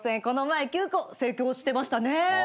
この前９個成功してましたね。